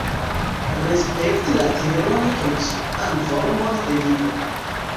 Respekti la Teron kaj ĉian formon de vivo.